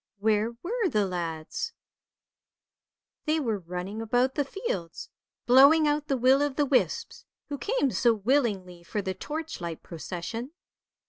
where were the lads? They were running about the fields, blowing out the will o' the wisps, who came so willingly for the torchlight procession.